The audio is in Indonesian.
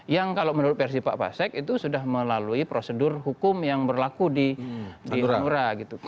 yang kalau menurut versi pak pasek itu sudah melalui prosedur hukum yang berlaku di hanura gitu